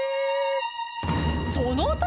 その時！